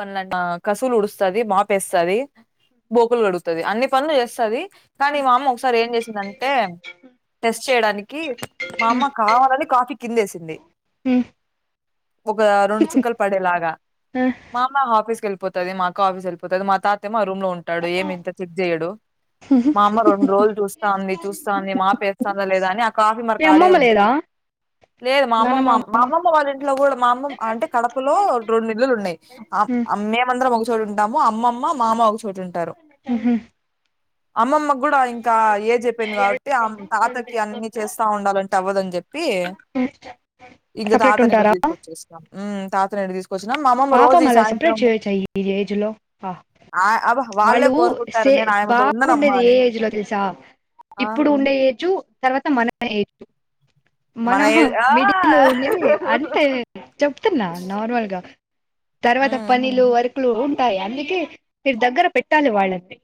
పనుల కసువులు ఊడుస్తది, మాపేస్తుది. బోకులు గడుగుతుది అన్ని పనులు చేస్తది. కానీ మా అమ్మ ఒకసారి ఏం చేసిందంటే టెస్ట్ చేయడానికి మా అమ్మ కావాలని కాఫీ కిందేసింది. మ్మ్ ఒక రెండు చుక్కలు పడేలాగా. హ్మ్ మా అమ్మ ఆఫీస్కి వెళ్ళిపోతుది. మాక్క ఆఫీస్కి వెళ్ళిపోతుది. మా తాతమో ఆ రూమ్ లో ఉంటాడు. ఏమి ఇంత చెక్ చెయ్యడు మా అమ్మ రెండు రోజులు చూస్తా అంది, చూస్తాంది మాపేస్తుందా లేదా అని కాఫీ మీ మరక ఆడే అమ్మమ్మ ఉంది. లేదా లేదు మా అమ్మమ్మ మామ్మమ్మ వాళ్ళ ఇంట్లో కూడా మా అమ్మమ్ అంటే కడపలో రెండు ఇళ్ళులు ఉన్నాయి. ఆ మేమందరం ఒక చోట ఉంటాము. అమ్మమ్మ మా అమ్మ ఒక చోట ఉంటారు అమ్మమ్మ కూడా ఇంకా ఏ చెప్పింది కాబట్టి ఆ తాతకి అన్ని చేస్తా ఉండాలంటే అవ్వదని చెప్పి. హ్మ్ ఇంకా తాతని కూడా తీసుకొచ్చేసినా. మ్మ్ తాతని ఇడికి తీసుకొచ్చినాం మా అమ్మమ్మ రోజు పాపం ఈ అలా సపరేట్ సాయంత్రం చేయొచ్చా ఈ ఏజ్ లో. అ ఆ అబ్బ వాళ్ళే వాళ్ళు కోరుకుంటారు సే నేను ఆయనతో ఉండనమ్మా బాగుండేది ఏ అని ఏజ్ లో తెలుసా ఆ ఇప్పుడు ఉండే ఏజు తర్వాత మన ఏజు మన మనం ఏజ్ ఆ మిడిల్ లో ఉండేది అంటే చెప్తున్నా నార్మల్గా తర్వాత ఉమ్ ఉమ్. పనులు వర్కులు ఉంటాయి. అందుకే మీరు దగ్గర పెట్టాలి వాళ్ళని.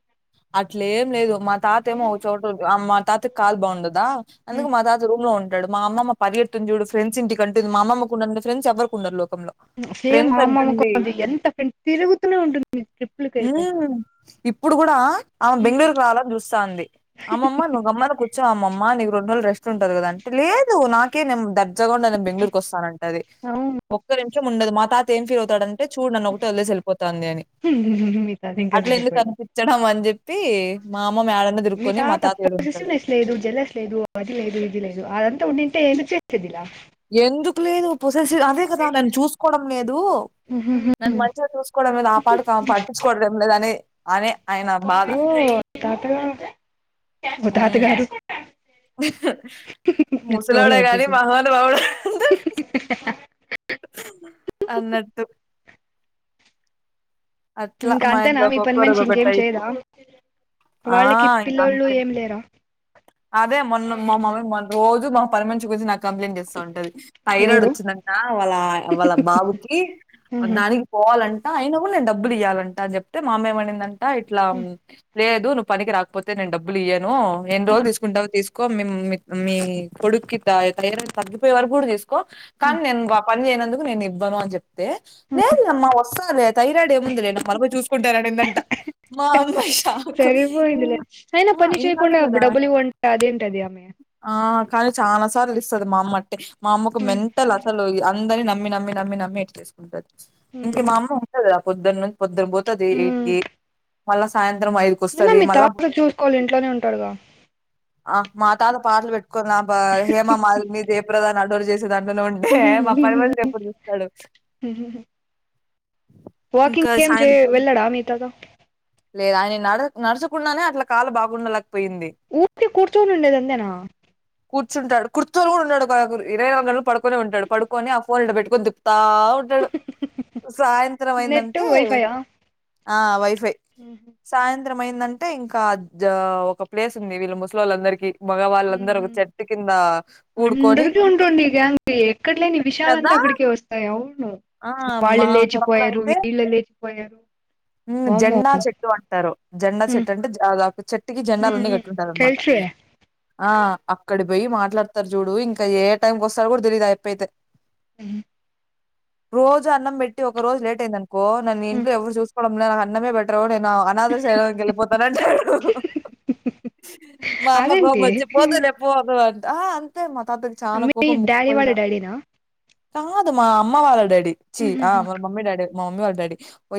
అట్లేం లేదు మా తాత ఏమో ఒక చోట మా తాత కాలు బాగుండదు. ఆ అందుకు మా తాత రూమ్ లో ఉంట అమ్మమ్మ పరిగెడుతుంది చూడు. ఫ్రెండ్స్ ఇంటి అంటు మా అమ్మమ్మ కు ఉన్నని ఫ్రెండ్స్ ఎవరు ఉండరు లో సేమ్ మా అమ్మమ్మ కు అంతే ఎంత తిరుగుతునే ఉంటుంది. ట్రిప్లు కయితే హ్మ్. ఇప్పుడు కూడా ఆమె బెంగళూరుకి రావాలని చూస్తాంది. అమ్మమ్మా నువ్వు గమ్మున కూర్చొ అమ్మమ్మ నీ రెండు రోజులు రెస్ట్ ఉంటది కదంటే లేదు నాకేం ద ఉత్తగుండా నేను బెంగళూరుకి వస్తాన అంటది అవును ఒక్క నిమిషం ఉండదు. మా తాత ఏం ఫీల్ అవుతాడే అంటే చూడు నన్ను ఒకటే వదిలేసి వెళ్ళిపోతుంది అని. మిగతాది ఇంకా అట్లా ఎందుకు సరిపోయింది అనిపించడం అని చెప్పి ప్పి మా మీ తాత పోసేసినెస్ లేదు జలస్ లేదు. అది లేదు ఇది లేదు అదంతా ఉంది. అట్టే చేస్తాది ఇలా ఎందుకు లేదు పొసల్సి అదే కదా నన్ను చూసుకోవడం లేదు నన్ను మంచిగా చూసుకోవడం లేదు ఆ పాటకి పట్టించుకోవడం లేదు అని అనే ఆయన బాధ. ఓ తాత తాత గారు ఫ్లోలో ముసలాడే కానీ వచ్చేసింది మహాను బావుడు అన్నట్టు అట్లా ఇంకా మా అంతేనా ఇంట్లో మీ పని మనిషి ఒొక్కొరక ఇంకేం టైపు చేయదా ఆ వాళ్ళకి పిల్లోళ్ళు అంతే ఏం లేరా అదే మొన్న మా మమ్మీ మొ రోజు మా పని మనిషి చూసి నాకు కంప్లైంట్ ఇస్తా ఉంటది థైరాయిడ్ ఎవరు వచ్చిందంట వాళ్ళ వాళ్ళ బాబుకి ఉహు, దానికి పోవాలంట అయిన కూడా నేను డబ్బులు ఇయ్వాలంట అని చెప్తే మా అమ్మ ఏం అనింది అంటే ఇట్లా ఉహు, లేదు నువ్ పనికి రాకపోతే నేను డబ్బులు ఇయేను మ మీ కొడుక్కి త థైరాయిడ్ తగ్గిపోయే వారుకు కూడా తీస్ కో ఉహు. కానీ నేను పని చేయనందుకు నేను ఇవ్వను అని చెప్ప లేదు లేమ్మా వస్తుందిలే థైరాయిడ్ ఏం ఉందులే మనబ చూసుకుంటారాని అనిందంట మా అమ్మాయి షాకు సరిపోయిందిలే అయినా ఆ పని ఇందాకే చేయకుండా కదా డబ్బులు ఇవ్వంట అదేంట ఆ కానీ చాలా సార్లు ఇస్తది మా అమ్మ అంటే మా అమ్మకు ఉమ్, మెంటల్ అసలు అందరిని నమ్మి నమ్మి నమ్మి నమ్మి ఎలా చేసుకుంటారు ఇంక ఉమ్, మా అమ్మ ఉంటందిా పొద్దున్న నుంచి పొద్దున్ పోతుది ఎయిట్ ఉమ్. కి మళ్ళా సాయంత్రం ఐదుకి అయినా వస్తుంది మీ మళ్ళా తాత చూసుకోవాలి ఇంట్లోనే ఉంటాడుగా ఆ మా తాత పాటలు పెట్టుకోని హేమ మా మీద ఏ ప్రధాని అడరు చేసి దాంట్లోలో ఉంటే మా పనిమళ ఎప్పుడు చూస్తాడు ఇంకా వాకింగ్ కేం చే వెళ్ళడ మీ తమ్మ లేద ఆయన నడ నడచకుండానే అట్లా కాళ్లు బాగుండ ఊకె కూర్చోని ఉండేది ఎంతేనా కూర్చుంటాడు కుర్చోని కూడా ఉన్నాడు ఇరవై నాలుగు గంటలు పడుకొని ఉంటాడు పడుకొని ఆ ఫోన్ ఇ పెట్టుొని దికుతా బాగుంటాడు సాయంత్రం నెట్ అయిందంటే వైఫైయా ఆ వైఫై ఉహు సాయంత్రం అయిందంటే ఇంకా ఒక ప్లేస్ ఉండేది వీళ్ళ ముస్లిళ్ళందరికీ హ కూడుకొని అందరికి ఉంటుంది ఎక్కడ లేని కదా విషాలంతా ఇప్పుడికి వస్తాయో అవును ఆ మా వాళ్ళు కడపలో లేర్చిపోయారు అయితే వీళ్ళు లేర్చిపోయారు జెండా చెట్టు అంటారు జెండా ఉమ్ చెట్టు అంటే దాదాపు చెట్ టుకి ఉమ్ జెండాలన్నీ ఉమ్ కట్టుకుంటారనమాట తెలుసులే ఆ అక్కడి పోయి మాట్లాడతారు చూడు ఇంక ఏ టైంకి వస్తారు కూడా తెలీయదు అ అబ్బాయి అయితే అ రోజు అన్నం పెట్టి ఒకరోోజు లేట్ అయిింద నుకో నన్ను ఉమ్. ఇంట్లో ఎవరు చూసుకోవడంంలో నాకు అన్నమే బెటర్ అ ఇంకా అనాథ స్రమానికి వెళ్ళిపోతాడ్ అంటాడు మా అమ్మక్ కోప అదేంటి మోచ్చి పోదులే పోదు అంట తాతక్ చాాల మీ కోపం డాడీ ముక్కుపయి వాళ్ళ న డాడీనా కాదు మా అమ్మ వాళ్ళ డాడీ కిచ్చీ ఉహు ఆ ఉ మ మమ్మీ డాడీ మా మమ్ీ వాళ్ళ డాడీ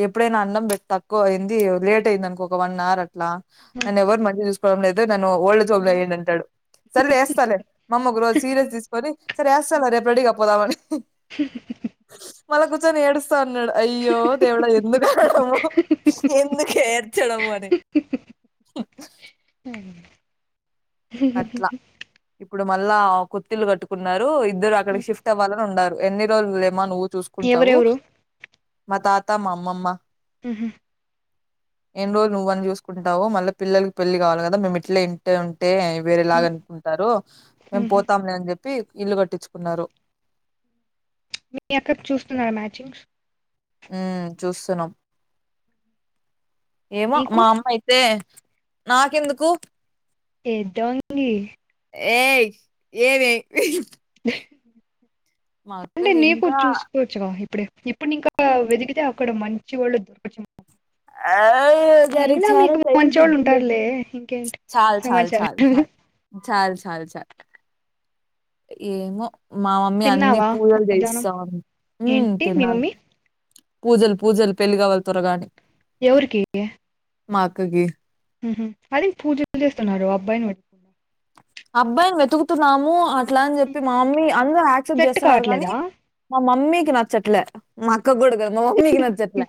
ఎప్పుడైనా అన్నం తక్కువ అయింది లేట్ అయింది అనుకో ఒక వన్ అవర్ అట్లా నేను ఎవ్వరు మంచిగ చూసుకోవడం లేదు అదే నన్ను ఒళ్ళే జోల్ ఏం అంటాడు సరే వేస్తాలే మమ్మగ రోజు సీరియస్ తీసుకొని సరే ఏస్తాలె రేపడిగా పోదామని మళ్ళా కూర్చొని ఏడుస్ స్తాన్నాడు. అయ్యో దేవుడ ఎందుకు ఎందుకేడ్చడం మరి హు హు ఇప్పుడు మళ్ళా కొత్తిళ్లు కట్టుకున్నారు ఇద్దరు అక్కడికి షిఫ్ట్ అవ్వాలని ఉన్నారు ఎన్ని రోజులుమో ను్ చూసుకుంటావు ఎవరెవరు మా తాత మా అమ్మమ్మ ఉహు ఏన్ని రోజులు నువ్వని చూసుకుంటావు మళ్ళ పిల్లలకి పెళ్ళలి కావాలి కదా మేము ఇట్ల ఇంటి ఉంటే ఉహు వేరేలాగ అనుకుంటారు మేము ఉహు. పోతాంలే అని చెప్పి టి ఇల్లు కట్టించుకున్నారు మీ అక్కక్ చూస్తున్నారు మ్యాచింగ్స్ ఉ చూస్తున్నాం ఏమో నీకు మా అమ్మ అయితే నాకెందుకు ఏటోంది ఏయ్ ఏ రే అంటే నీ కూర్ ఇంకా చూసుకోవచ్చుగ ఇప్పుడు ఇప్పుడు ఇంకా వెదికితే అప్పుడు మంచి వాళ్ళు దొర్కొచ్చ అ దానికి చాలా మీకు టైమ్ మంచోళ్ళు ఉంది లే ఉంటారులే ఇంకేంటి చాల్ చాల్ సమాచారం చాల్ చాల్ చాలె చాల్ చాల్ ఏమో మా మమ్మీ అన్ని తిన్నావా పూజలు మధ్యాహ్నం చేస్తాం ఉమ్ ఏంటి మీ తిన్నా లి మమ్మీ పూజలు పూజలు పెళ్ళి కావళ్ త్వరగా ఎవురికి మాక్కకి అది పూజలు చేస్తున్నారు అబ్బాయిని బ అబ్బాయిని వెతుకుతున్నాము. ఆ అట్లా అని చెప్పి ఉమ్. మా మమ్మీ అందరరు యాక్సెప్ట్ సెట్ చేస్తున్నారు కానీ కావట్లేదా మా మమ్మీకి నచ్చట్లే మా అక్కకిగుదాగాదు మా మమ్మీ కి నచట్ల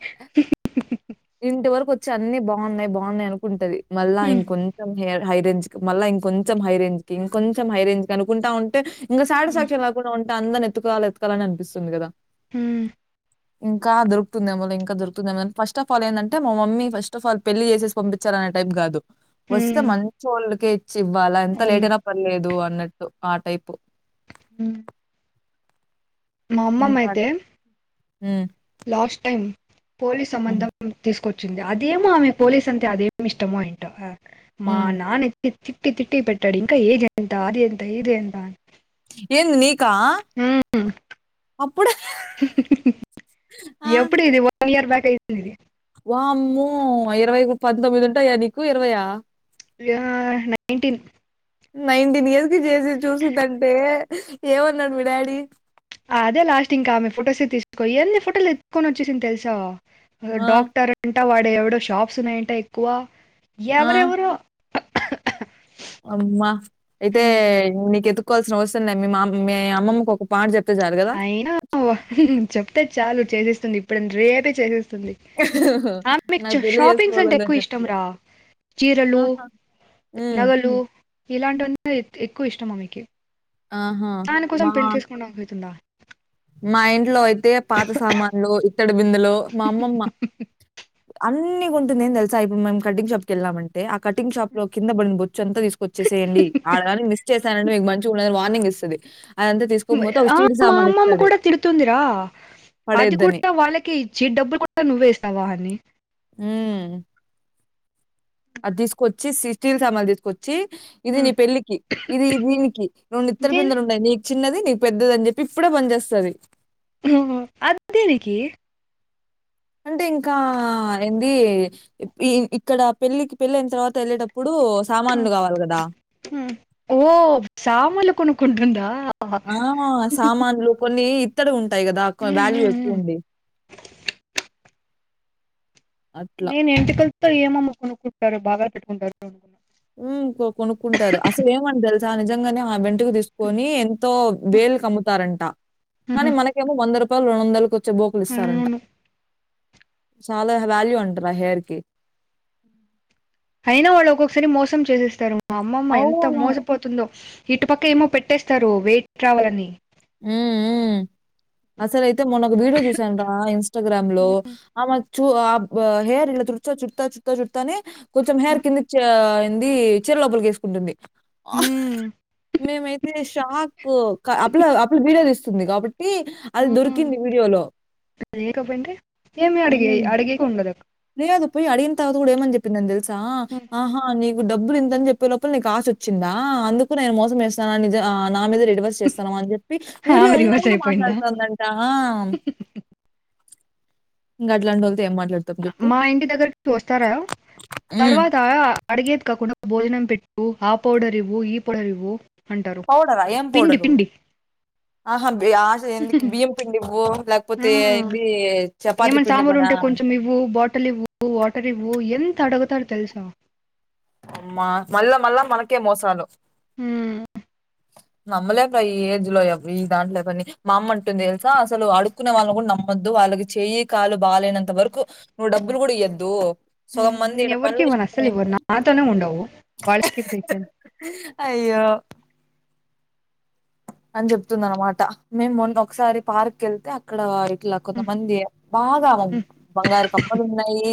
ఇంటి వరకు అన్ని బాగున్నాయి బాగున్నాయి అనుకుంటది మళ్ళా ఉమ్, ఇంకొంచెం హ హైరేంజ్ మళ్ళా ఇంకొంచెం హైరేంజ్ కొంచం హై రేజ్ క అనుకుంటా ఉంటే ఇంకా ఉమ్, సాటిస్ఫాక్షన్లేకుంటా ఉ అంట అందరి ఎతుకాల ఎతుకాలని అనిపిస్తుంది కదా. హ్మ్ ఇంకా దొరుతుంది ఏమోలె ఇకా దొరుకుందమ ఫస్ట్ ఆఫ్ ఆల్ ఏంది మా మమ్మీ ఫస్ట్ ఆఫ్ ఆల్ పెళ్లి చేసిసిపంపించాలా కాదు వస్తే ఉమ్, మంచోళ్ళకే క ఇచ్చి ఇవ్వాల ఎంత అవును లేటునపర్లేదు పర్లేదు అన్నట్టు ఆ టైపు హ్మ్ మా అమ్మమ్మ అయితే హ లాస్ట్ టైం పోలీస్ సంబంధం తీసుకొ చింది అదేమో ఆమె పోలీస్ అంటే అదేమి ఇష్టమో ఏంటో మా హ్మ్. నాన్న తిట్టి తిట్టి పెట్టాడు ఇంకా ఏజ ఎంత అది ఎంత ఇది ఎంత ఏంది నీకా మ్మ్. అప్పుడే ఎప్పుడు ఇది వన్ ఇయర్ బ్యాక్ అయింది ఇది వామ్ము ఇరవై పంతొమ్మిది ఉంటాయా నీకు ఇరవైఆ నైన్టీన్ నైన్టీన్ ఇయర్స్ కి చేసి చూసిందంటే ఏమన్నాడు మీ డాడీ అదే లాస్ట్ ఇంకా ఆమె ఫొటోస్ తీసుకో ఎన్ని ఫోటోలు ఎత్తుకొని వచ్చేసింది తెలుసా!? ఆ! డాక్టర్ అంట వాడ ఎవడో షాప్స్ ఉన్నాయంట ఎక్కువ ఆ! ఎవరెవరో అమ్మా అయితే మ్మ్. నీకు ఎతుకోవాల్సిన అవరం లేదు మీ అమ్మమ్మ ఒక పాట చెప్ అయినా చెప్తే చాలు చేసేస్తుంది ఇప్పుడు రేపే చేసేస్తు ఆమె క్ నాకు చూ పెళ్లి షాపింగ్స్ అంటే చేసుకోలేదని ఎక్కువ ఇష్టం చెప్తే. రా చీరలు ఆహా! హ్మ్. నగలు ఇలాంటివన్న ఎక్కువ ఇష్టమ్ ఆమెకి ఆహా! దానికోసం మా పెళ్లి చేసుకోండా అ అవుతుందా మా ఇంట్లో అయితే పాత సామాన్లు ఇత్తడి బిందులు మా అమ్మమ్మ అన్ని కొంటుందోతెల్సా ఇప్పుడు మేం కటింగ్ షాప్ కి వెళ్ళామంటే ఆ కటింగ్ షాప్ లో కి పడినొ బొ చంతా తీసుకొచ్చేసేయండి అడగాని మిస్ చేశానంటే మీకు మంచిగా ఉని వార్నింగ్ ఇస్తుంది. అదంతా తీసుకోనీ పోతే ఒక స్టీల్ సామాన్ అమ్మ కూడా తిడుతుందిరా అది పడేయొద్దని. కూడా వాళ్ళకే ఇచ్చి డబ్బులు కూడా నువ్వేస్తాహని ఉమ్మ్ అది తీసుకొచ్చి సి స్టీల్ మాల్ తీసుకొ ఇది నీ పెళ్ళికి ఇది దీనికి రెండు ఇత్తడి దేని బిందలు ఉండయి నీకు చిన్నది నీకు పెద్దది అని చెప్పి ఇప్పుడే పంచెస్తది చేేస్తుది. అదదేనికి అంటే ఇంకా ఏంది ఈ ఇక్కడ పెళ్ళికి పెళ్ళన తర్వాత వెళ్ళేటప్పుడు సామాన్లు కావాలి కదా ఓ సామలు కొను కొనుకుంటుందా ఆ సామాన్లు కొన్ని ఇత్తడి ఉ ఉంటాయి కదాకొని వాల్యూ ఎక్కువ ఉంది అట్లా నేను ఎంటకలతో ఏమమ్మ కొనుక్కుంటారు బాగా పెట్టుకుంటార ఉమ్ కొనుక్కుంటారు అసలు ఏమండి తెలుసా నిజంగానే ఆ బెంట తీసుకొని ఎంతో వేల్ కమ్ముతారంట కానీ మనకేమో వంద రూపాయలు రెండు వందలు బోకులిస్తారంట అవును చాలా వాల్యూ అంటారా హెయిర్ కి అయినా వాళ్ళు ఒక్కొక్కసారి మోసం చేసేస్తారు మా అమ్మమ్మ ఎంత అవును మోసపోతుందో ఇటు పక్క ఏమో పెట్ట పట్టేస్తారు వెయిట్ రావాలని ఉమ్మ్ అసలు అయితే మొన్న ఒక వీడియో చూసాను రా ఇన్స్టాగ్రామ్ లో ఆమె చూ హ హేర్ ఇలా చుడుతా చుతా చుతా చుడతానే కొంచెం హేర్ కిందికి చే ంది చిర లోపలికేసుకుంటుంది హ్మ్. మేమైతే షాక్ అప్పులా అప్పుల వీడియో ఇస్తుంది కాబట్టి అది హ్మ్. దొరికింది వీడియో లో లేకపోయింటే ఏమి అడిగే అడిగేకి ఉండదు అక్క లేదు పోయి అడిగిన తర్వాత కూడా ఏమని చెప్పిందాని తెలుసా ఆహా నీ డబ్బులు ఇంతని చెప్పే లోపల నీకు ఆశ వచ్చిందా అందుకు నేను మోసంచేస్తాను అని నా మీదే రెడివర్స్ చేస్తావా అని చెప్పి వీడియో ఆమె ఉన్నా రివర్స్ కూడా అయిపోయిందా? మాట్లాడుతుందంట గట్లాంటోళ్ళతో ఏం మాట్లాడుతాం మా ఇంటి దగ్గరికి వస్తారా హ్మ్. తర్వాత అడిగేది కాకుండా భోజనం పెట్టు ఆ పౌడర్ ఇవ్వు ఈ పౌడర్ ఇవ్వు అంటారు. పౌడర్ ఆహ్ ఎం పిండి పౌడరు పిండి. ఆహా బ ఆశ ఎందుకు బియ్యం పిండి ఇవ్వు లేకపోతే ఏంది చపాతి పిండి బ ఇంటే కొంచెం ఇవ్వు బాటిల్ ఇవ్వు వాటర్ ఇవ్వు ఎంత అడుగుతారుో తెలుసా అమ్మా మళ్ళా మళ్ళా మనకే మోసాలు హమ్మ్ నమ్మలేం రా ఈ ఏజ్ లో ఈ దాంట్లో ఎవరిని మా అమ్మ అంటుంది తెలుసా అసలు అడుకునే వాళ్ళని కూడా నమ్మ వద్దు వాళ్ళకి చేయి కాలు బాాలలేనంత వరకు నువ్వు డబ్బులు కూడా ఇయ్యద్దు హ్మ్ సగం మంది నేను ఈడ ఎవరికి పనులు ఇవ్వను అస్సలు చేసుకొని ఇవ్వను నాతోనే ఉండవు వాళ్ళకి ఇక్కడ ఇచ్చాను అయ్యో అని చెప్తుంది అనమాట మేము మొన్న ఒకసారి పార్క్ వెళ్తే అక్కడయి ఇట్లా హ్మ్. కొంతమంది బాగా హ్మ్. బంగారు కమ్మలు ఉన్నాయి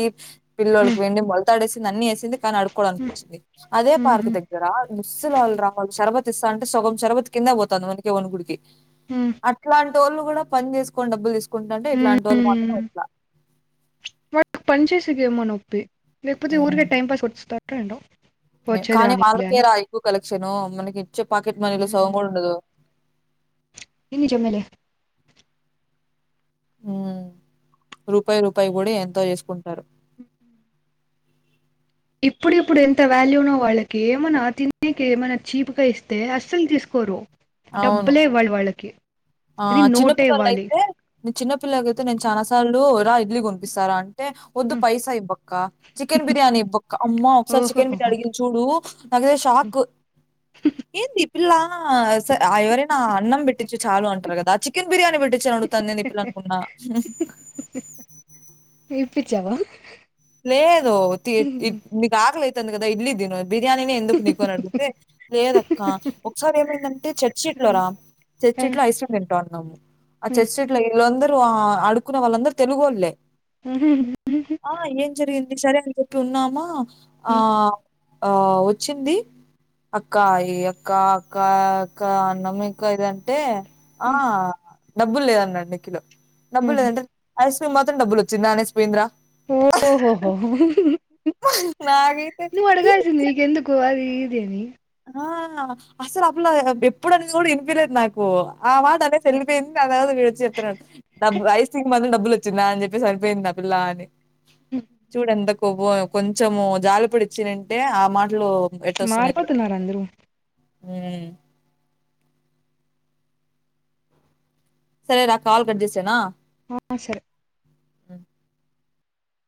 పిల్లలకి హ్మ్. వెండి మొలతాడేసి అన్ని వేసింది కానీ అడుకోవడానికి వచ్చింది అదే హ్మ్. పార్క్ హ్మ్. దగ్గర ముసలోలు రా వాళ్ళు శరబత్ అంటే సగం షరబత్ కిందే పోతుంది వనికే వణుకుడికి హ్మ్. అట్లటి టోళ్లు కూడా పని చేసుకోని డబ్బులు తీసు కుంటంటే హ్మ్. ఇట్లాంటి వాళ్ళు మాత్రం హ్మ్. ఇట్లా ఏమో నొప్పి లేకపోతే ఊరికే ఉమ్. టైంపాస్ కి వచ్చి స్ట్రక్ అయిండో కానీ వాళ్ళకే రా ఎక్కువ కలెక్షను మనకు ఇచ్చే పాకెట్ మనీలో సగం హ్మ్. కూడా ఉండదు ఇది నిజమేలే రూపాయి రూపాయి కూడా ఎంతో చేసుకుంటారు ఇప్పుడుప్పుడు ఎంత వాల్యూనో వాళ్ళకి ఏమైనా తినేనికి ఏమైనా చీప్గా ఇస్తే అస్సలు తీసుకోరు అవును డబ్బులే ఇవ్వాలి వాళ్ళకి అది నోటే ఇవ్వాలి పిల్లలు అడుగుతే నేను చాలాసార్లు రా ఇడ్లీ కోనిపిస్తారా అన ఒద్దు పైసా ఇవ్వక్క చికెన్ బిర్యానీ ఇవ్వక్క అమ్మా ఒకసారి ఓహో చికెన్ బిర్యానీ అడిగింది చూడు అదే షాక్ ఏంది పిల్లా ఎవరైనా అన్నం పెట్టిచ్చు చాలు అంటారు కదా చికెన్ బిర్యానీ పెట్ బిక్షనఅడుగుతంది ఏంది ఈ పిల్ల అనుకున్న ఇచ్చావా లేదు తి నీకు ఆకలైతుంది కదా ఇడ్లీ తిను అని బిర్యానీనే ఎందుకు నీకు అని అడిగితే లేదక్క ఒకసారి ఏమైందంటే చర్చీట్లోరా ఆ, చర్చ్షీట్ లో ఐస్క్రీమ్ వింటన్నామ్ము ఆ ఉమ్. చర్చ్ీట్ లో ఇల్ అందర్ ఆ అడుక్కున్న వాళ్ళందరూ తెలుగోళ్లే ఉమ్మ్ జరిగింది సరే అని ఉట్లు ఉన్నామా ఆ ఆ వచ్చింది అక్కయి అక్క అక్క అక్క అన్నం ఇంకా ఇది అంటే ఆ డబ్బులు లేదు అన్నాడు నిఖిలో డబ్బులు లేదంటే ఐస్ ఈ మాత్రం డబ్బులు వచ్చిందా అనేసి పోయిందిరా ఓహోహో నాకైతే నువ్ ఇది అడగాల్సింది నీకు ఎందుకు అది తీదేని ఆ నా అసలు అపులా ఎప్పుడు అనిది కూడా ఇనిపియలేదు నాకు ఓ ఆ మాట అనేసి వెళ్లిపోయింది దాని తర్వాత వీడు వచ్చి చెప్తున్నాడు నాకు రైసుథింగ్ బదులు డబ్బులు ఇచ్చిన అని చెప్పేసి సరిపోయింది ఆ పిల్లా అని చూడు ఎంత కు పో పో య కొంచెం జాలిపడి ఇచ్చేనంటే ఆ మాటలు మారిపోతున్నారు అందరూ ఉ సరేరా కాల్ కట్ జేసేనా హ హ సరే ఆ